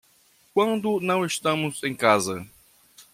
Quando não estamos em casa